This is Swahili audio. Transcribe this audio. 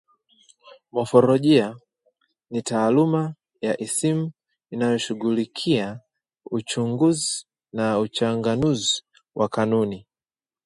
Mofolojia ni taaluma ya isimu inayoshughulikia uchunguzi na uchanganuzi wa kanuni